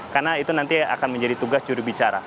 karena itu nanti akan menjadi tugas juru bicara